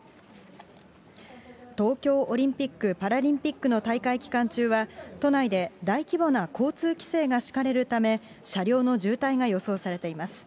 東京オリンピック・パラリンピックの大会期間中は、都内で大規模な交通規制が敷かれるため、車両の渋滞が予想されています。